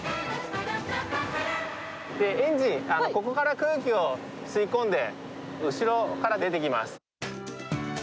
エンジン、ここから空気を吸い込んで、後ろから出てきます。